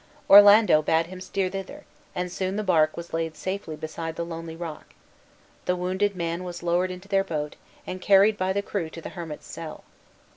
Orlando bade him steer thither, and soon the bark was laid safely beside the lonely rock; the wounded man was lowered into their boat, and carried by the crew to the hermit's cell.